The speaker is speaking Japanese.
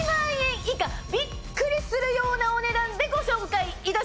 びっくりするようなお値段でご紹介いたします！